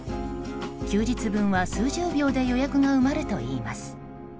休日分は数十秒で予約が埋まるといいます。